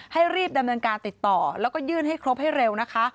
ให้รีบดำเนินการติดต่อแล้วก็ยื่นให้ครบให้เร็วนะคะ